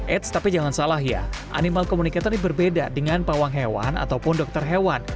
eits tapi jangan salah ya animal communicator ini berbeda dengan pawang hewan ataupun dokter hewan